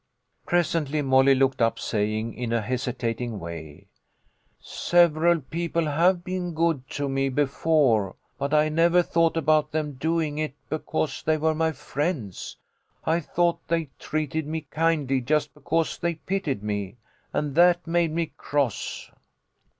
Presently Molly looked up, saying, in a hesitating way, " Several people have been good to me before, but I never thought about them doing it because they were my friends. I thought they treated me kindly just because they pitied me, and that made me cross."